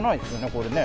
これね。